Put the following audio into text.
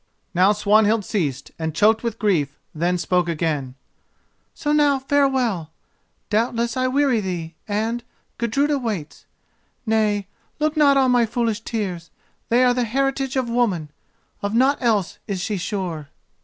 Now Swanhild ceased, and choked with grief; then spoke again: "So now farewell; doubtless I weary thee, and—Gudruda waits. Nay, look not on my foolish tears: they are the heritage of woman, of naught else is she sure!